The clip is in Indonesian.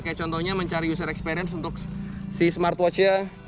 kayak contohnya mencari user experience untuk si smartwatch nya